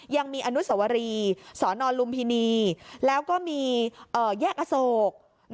ยังมีอนุสวรีสนลุมพินีแล้วก็มีแยกอโศก